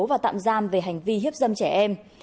và tạm giam về hành vi hiếp dâm trẻ em